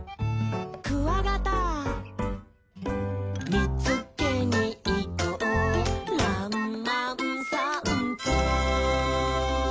「みつけにいこうらんまんさんぽ」